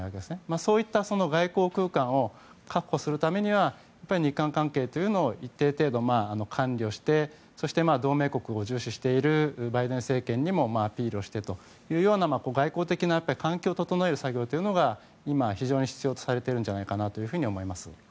そういった外交空間を確保するためにはやはり、日韓関係というのを一定程度、考慮してそして、同盟国を重視しているバイデン政権にもアピールしてという外交的な環境を整える作業が今、非常に必要とされているんじゃないかと思います。